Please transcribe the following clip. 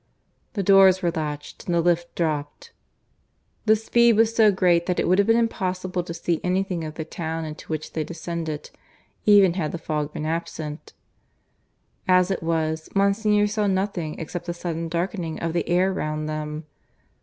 The doors were latched, and the lift dropped. The speed was so great that it would have been impossible to see anything of the town into which they descended, even had the fog been absent. As it was, Monsignor saw nothing except the sudden darkening of the air round them.